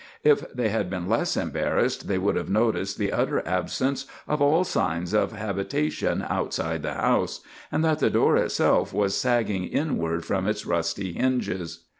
If they had been less embarrassed they would have noticed the utter absence of all signs of habitation outside the house, and that the door itself was sagging inward from its rusty hinges.